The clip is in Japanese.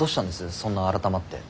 そんな改まって。